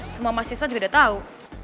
semua mahasiswa juga udah tau